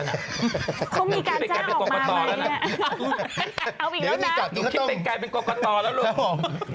คงมีการจ้าออกมาไหมนะอ้าวอีกแล้วนะคิดเป็นการเป็นกรกกตอแล้วลูก